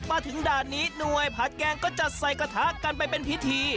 มาถึงด่านนี้หน่วยผัดแกงก็จัดใส่กระทะกันไปเป็นพิธี